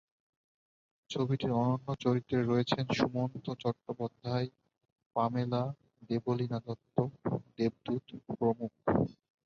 ছবিটির অন্যান্য চরিত্রে রয়েছেন সুমন্ত চট্টোপাধ্যায়, পামেলা, দেবলীনা দত্ত, দেবদূত প্রমুখ।